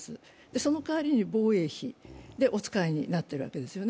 その代わりに防衛費でお使いになっているわけですよね。